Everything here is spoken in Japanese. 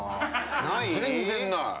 全然ない。